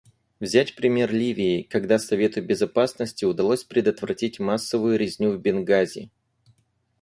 Взять пример Ливии, когда Совету Безопасности удалось предотвратить массовую резню в Бенгази.